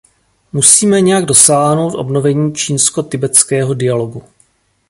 Musíme nějak dosáhnout obnovení čínsko-tibetského dialogu.